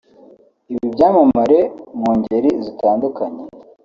Ibi byamamare mu ngeri zitandukanye